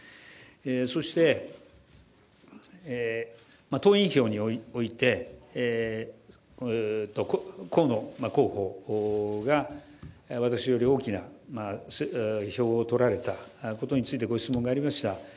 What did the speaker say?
そして党員票において、河野候補が私より大きな票を取られたことについてご質問がありました。